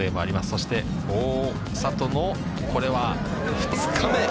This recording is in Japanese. そして、大里のこれは２日目。